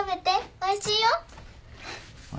おいしいよ。ほら。